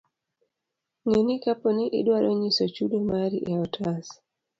Ng'e ni kapo ni idwaro nyiso chudo mari e otas.